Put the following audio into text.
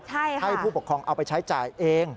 ให้ผู้ปกครองเอาไปใช้จ่ายเอง